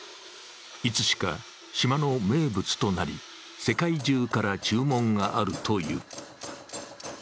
いつしか島の名物となり、世界中から注文があるという。